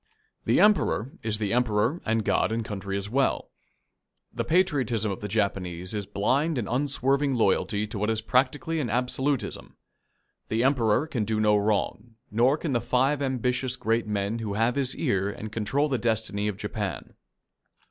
The Emperor is the Emperor, and God and country as well. The patriotism of the Japanese is blind and unswerving loyalty to what is practically an absolutism. The Emperor can do no wrong, nor can the five ambitious great men who have his ear and control the destiny of Japan.